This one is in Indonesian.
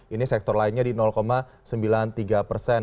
ini sektor lainnya di sembilan puluh tiga persen